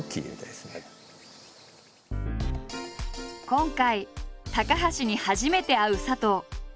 今回高橋に初めて会う佐藤。